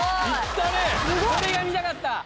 これが見たかった